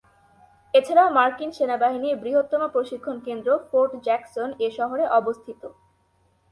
এ ছাড়াও মার্কিন সেনাবাহিনীর বৃহত্তম প্রশিক্ষণ কেন্দ্র ফোর্ট জ্যাকসন এ শহরে অবস্থিত।